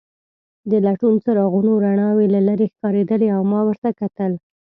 د لټون څراغونو رڼاوې له لیرې ښکارېدلې او ما ورته کتل.